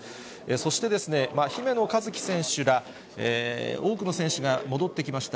そして、姫野和樹選手ら多くの選手が戻ってきました。